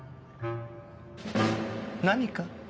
何か？